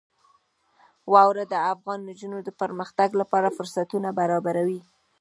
واوره د افغان نجونو د پرمختګ لپاره فرصتونه برابروي.